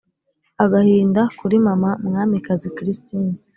agahinda kuri mama mwamikazi christina!